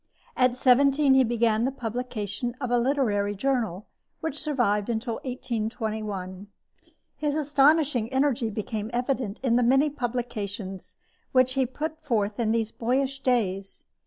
At seventeen he began the publication of a literary journal, which survived until 1821. His astonishing energy became evident in the many publications which he put forth in these boyish days.